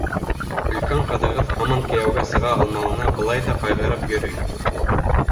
Өлкән ҡыҙығыҙ һаман кейәүгә сыға алмауына былай ҙа ҡайғырып йөрөй.